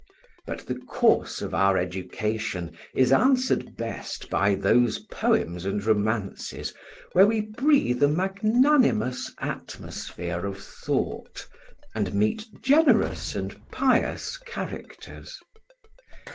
But the course of our education is answered best by those poems and romances where we breathe a magnanimous atmosphere of thought and meet generous and pious characters.